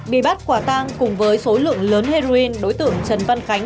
bị bắt quả tang cùng với số lượng lớn heroin đối tượng trần văn khánh